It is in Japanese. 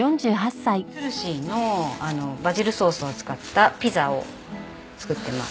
トゥルシーのバジルソースを使ったピザを作ってます。